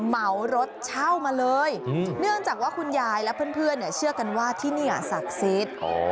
เหมารถเช่ามาเลยเนื่องจากว่าคุณยายและเพื่อนเชื่อกันว่าที่นี่ศักดิ์สิทธิ์